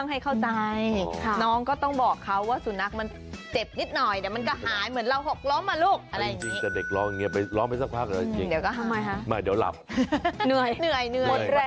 หนูไม่ใจนะไม่ใจนะหนู